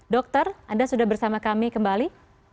dokter anda sudah bersama kami kembali